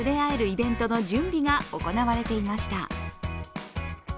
イベントの準備が行われていました。